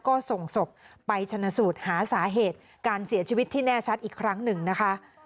ก็ส่งศพไปชนะสูตรหาสาเหตุการเสียชีวิตที่แน่ชัดอีกครั้งหนึ่งนะคะ